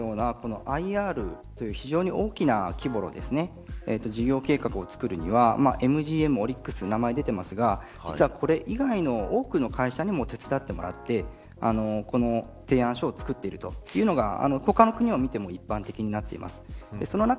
今回のようなＩＲという非常に大きな規模の事業計画を作るにはＭＧＭ、オリックス名前出てますが実はこれ以外の多くの会社にも手伝ってもらってこの提案書を作っているというのが他の国を見ても一般的になっています。